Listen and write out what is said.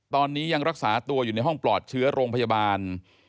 ตอนนี้ยังรักษาตัวอยู่ในห้องปลอดเชื้อโรงพยาบาล